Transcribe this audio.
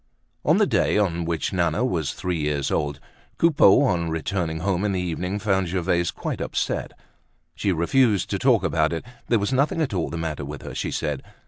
On the day on which Nana was three years old, Coupeau, on returning home in the evening, found Gervaise quite upset. She refused to talk about it; there was nothing at all the matter with her, she said.